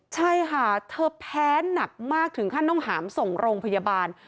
ใช่ค่ะเธอแพ้หนักมากถึงขั้นต้องหามส่งโรงพยาบาล